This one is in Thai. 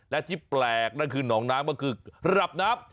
และที่แปลกหนองน้ำก็คือระดับน้ำ